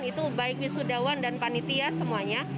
itu baik wisudawan dan panitia semuanya